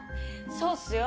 そうっすよ